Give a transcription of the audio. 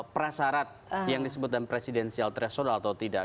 prasarat yang disebutkan presidensial threshold atau tidak